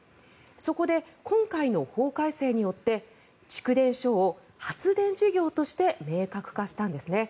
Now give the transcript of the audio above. そこで、今回の法改正によって蓄電所を発電事業として明確化したんですね。